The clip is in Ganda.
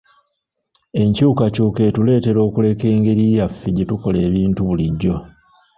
Enkyukakyuka etuleetera okuleka engeri yaffe gyetukola ebintu bulijjo.